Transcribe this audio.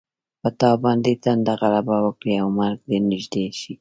په تا باندې تنده غلبه وکړي او مرګ دې نږدې شي.